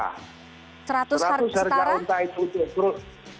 seratus harga onpa itu dikrus